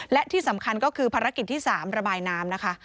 และที่สำคัญก็คือภารกิจที่๓ระบายน้ำนะคะ